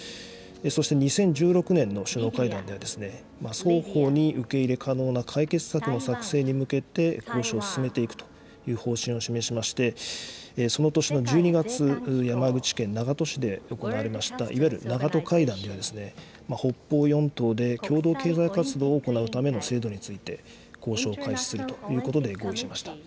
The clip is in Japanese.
そして２０１６年の首脳会談ではですね、双方に受け入れ可能な解決策の作成に向けて交渉を進めていくという方針を示しまして、その年の１２月、山口県長門市で行われました、いわゆる長門会談で、北方四島で共同経済活動を行うための制度について、交渉を開始するということで合意しました。